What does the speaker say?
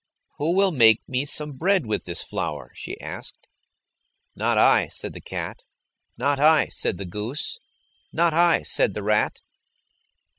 "Who will make me some bread with this flour?" she asked. "Not I," said the cat. "Not I," said the goose. "Not I," said the rat.